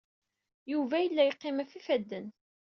Yuba yella yeqqim ɣef yifadden.